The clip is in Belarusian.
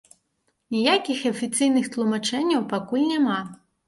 Ніякіх афіцыйных тлумачэнняў пакуль няма.